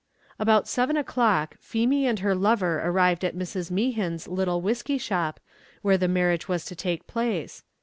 About seven o'clock, Feemy and her lover arrived at Mrs. Mehan's little whiskey shop, where the marriage was to take place.